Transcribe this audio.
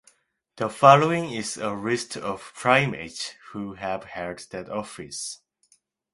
The following is a list of primates who have held that office.